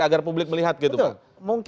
agar publik melihat gitu pak